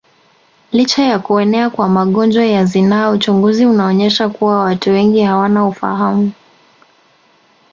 Licha ya kuenea kwa magonjwa ya zinaa uchunguzi unaonyesha kuwa watu wengi hawana ufahamu